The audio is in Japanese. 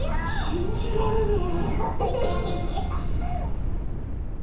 しんじられない。